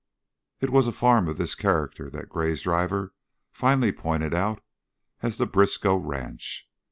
It was a farm of this character that Gray's driver finally pointed out as the Briskow ranch.